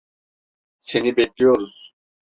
Seni bekliyoruz.